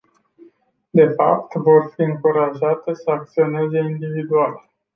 De fapt, vor fi încurajate să acționeze individual.